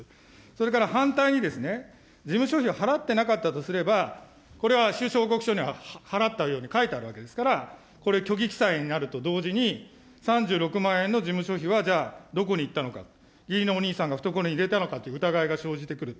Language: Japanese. それから反対に、事務所費を払ってなかったとすれば、これは収支報告書には払ったように書いてあるわけですから、これ、虚偽記載になると同時に、３６万円の事務所費は、じゃあ、どこにいったのか、義理のお兄さんが懐に入れたのかという疑いが生じてくる。